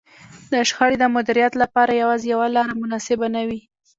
د شخړې د مديريت لپاره يوازې يوه لار مناسبه نه وي.